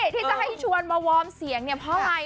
ทีจะให้ชวนมาวอร์มเสียงเพราะไหม